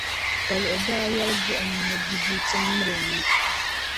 Kaluɣi daa yɛli buɣum ni di di ti miri o na.